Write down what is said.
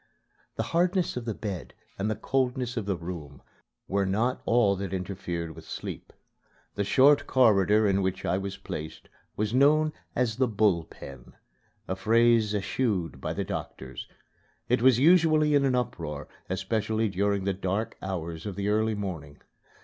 The hardness of the bed and the coldness of the room were not all that interfered with sleep. The short corridor in which I was placed was known as the "Bull Pen" a phrase eschewed by the doctors. It was usually in an uproar, especially during the dark hours of the early morning.